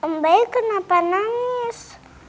mbak ayah kenapa nangis